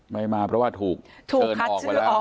ไม่มาเพราะว่าถูกเชิญออกไปแล้ว